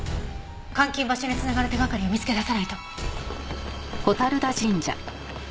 監禁場所につながる手掛かりを見つけ出さないと。